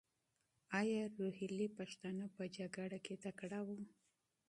ایا روهیلې پښتانه په جنګ کې تکړه وو؟